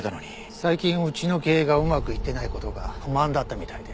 最近うちの経営がうまくいってない事が不満だったみたいで。